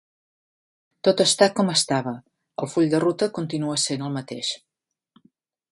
Tot està com estava, el full de ruta continua essent el mateix.